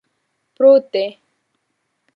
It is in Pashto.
پروت دی